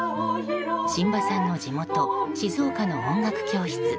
榛葉さんの地元・静岡の音楽教室。